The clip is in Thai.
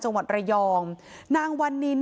จังหวัดระยอง